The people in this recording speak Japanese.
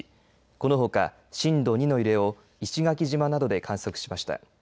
このほか、震度２の揺れを石垣島などで観測しました。